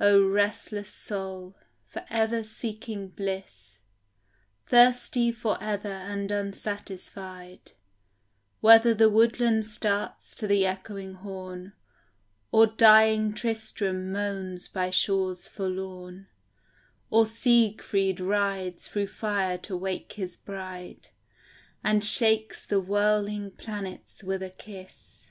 O restless soul, for ever seeking bliss, Thirsty for ever and unsatisfied, Whether the woodland starts to the echoing horn, Or dying Tristram moans by shores forlorn, Or Siegfried rides through fire to wake his bride, And shakes the whirling planets with a kiss.